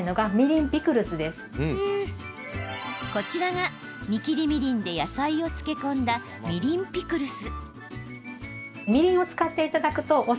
こちらが煮きりみりんで野菜を漬け込んだみりんピクルス。